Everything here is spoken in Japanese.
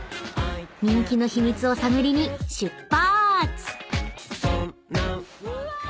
［人気の秘密を探りに出発！］